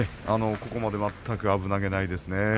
ここまで全く危なげがないですね。